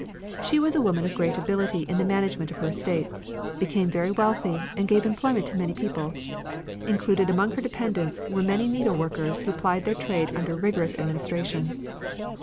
She was a woman of great ability in the management of her estates, became very wealthy, and gave employment to many people. Included among her dependents were many needleworkers who plied their trade under rigorous administration.